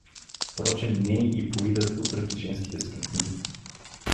Впрочем, ней й по` идат отръки женските сплетни.